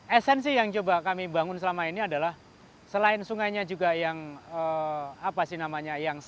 esensi yang coba kami bangun selama ini adalah selain sungainya juga yang sehat ekosistemnya yang baik